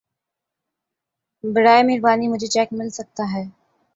براہ مہربانی مجهے چیک مل سکتا ہے